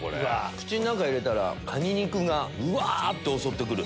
口の中入れたらカニ肉がうわ！って襲ってくる。